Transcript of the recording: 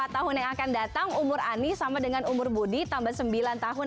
empat tahun yang akan datang umur anies sama dengan umur budi tambah sembilan tahun